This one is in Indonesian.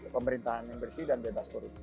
pemerintahan yang bersih dan bebas korupsi